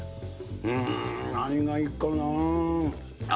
うーん、何がいいかなあ。